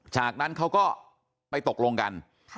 จากนั้นเขาก็ไปตกลงกัน